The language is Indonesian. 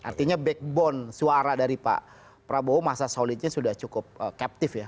artinya backbone suara dari pak prabowo masa solidnya sudah cukup captive ya